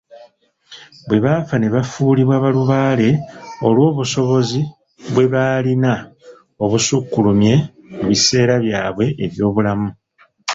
Bwe baafa ne bafuulibwa balubaale olw'obusobozi bwe baalina obusukkulumye mu biseera byabwe eby'obulamu